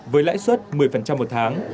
với lãi suất một mươi một tháng